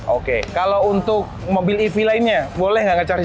oke kalau untuk mobil ev lainnya boleh nggak nge charge itu